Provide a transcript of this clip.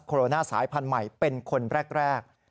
โรนาสายพันธุ์ใหม่เป็นคนแรก